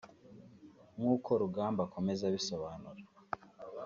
nk’uko Rugamba akomeza abisobanura